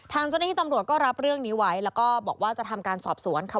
ทางเจ้าหน้าที่ตำรวจก็รับเรื่องนี้ไว้แล้วก็บอกว่าจะทำการสอบสวนค่ะ